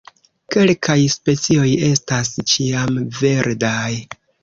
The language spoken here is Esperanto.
Kelkaj specioj estas ĉiamverdaj.